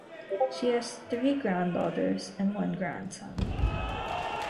She has three granddaughters and one grandson.